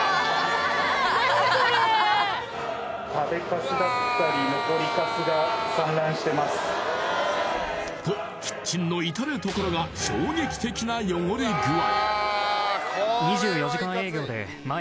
・何これーしてますとキッチンのいたる所が衝撃的な汚れ具合